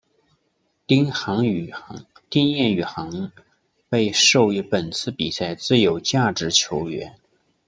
丁彦雨航被授予本次比赛最有价值球员。